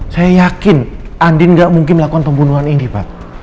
saya yakin andin tidak mungkin melakukan pembunuhan ini pak